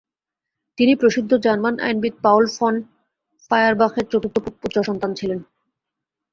তিনি প্রসিদ্ধ জার্মান আইনবিদ পাউল ফন ফয়ারবাখের চতুর্থ পুত্রসন্তান ছিলেন।